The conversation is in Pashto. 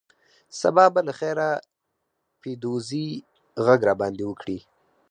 سبا به له خیره پیدوزي غږ در باندې وکړي.